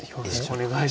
お願いします。